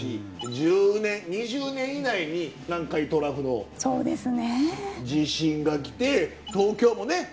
１０年２０年以内に南海トラフの地震が来て東京もね